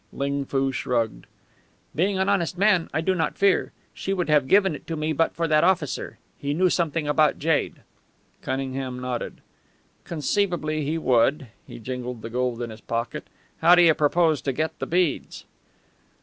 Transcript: Ling Foo shrugged. "Being an honest man, I do not fear. She would have given it to me but for that officer. He knew something about jade." Cunningham nodded. "Conceivably he would." He jingled the gold in his pocket. "How do you purpose to get the beads?"